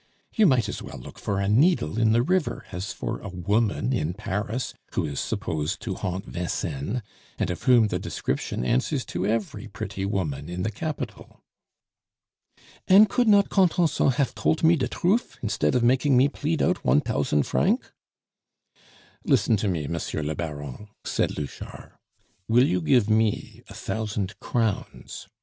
You might as well look for a needle in the river as for a woman in Paris, who is supposed to haunt Vincennes, and of whom the description answers to every pretty woman in the capital." "And could not Contenson haf tolt me de truf, instead of making me pleed out one tousand franc?" "Listen to me, Monsieur le Baron," said Louchard. "Will you give me a thousand crowns?